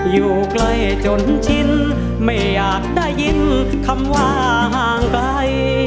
อยู่ใกล้จนชิ้นไม่อยากได้ยินคำว่าห่างไกล